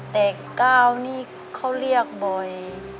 แต่๙นี่เขาเรียกบ่อย